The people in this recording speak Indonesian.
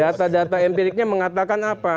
data data empiriknya mengatakan apa